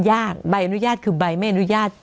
ใบอนุญาตคือใบไม่อนุญาต